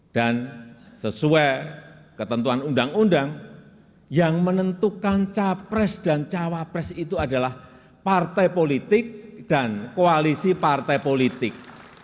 sesuai ketentuan undang undang yang menentukan capres dan cawapres itu adalah partai politik dan koalisi partai politik